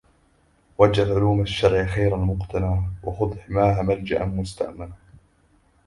واجعل علوم الشرع خير المقتنى وخذ حماها ملجأ مستامنا